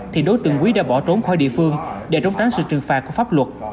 thì đối tượng quý đã bỏ trốn khỏi địa phương để trốn tránh sự trừng phạt của pháp luật